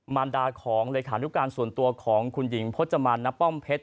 มารดาของเลขานุการส่วนตัวของคุณหญิงพจมานณป้อมเพชร